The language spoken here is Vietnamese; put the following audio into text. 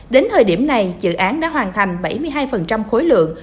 đến thời điểm này dự án đã hoàn thành bảy mươi hai khối lượng